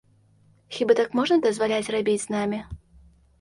Хіба так можна дазваляць рабіць з намі?